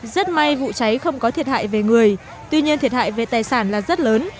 rất may vụ cháy không có thiệt hại về người tuy nhiên thiệt hại về tài sản là rất lớn